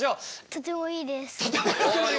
とてもいいです。